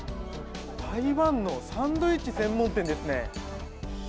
台湾のサンドイッチ専門店ですね。